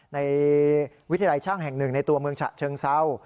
ในวิทยาลัยช่างแห่งหนึ่งในตัวเมืองฉะเชิงเศร้า